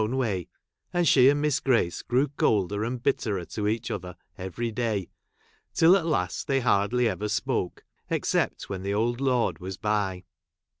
own way, and she and Miss Grace grew jj colder and bitterer to each other every day ; jl till at last they hai'dly ever spoke, except ji when the old lord was by.